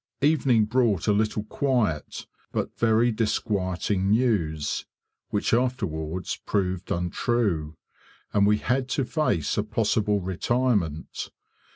Evening brought a little quiet, but very disquieting news (which afterwards proved untrue); and we had to face a possible retirement.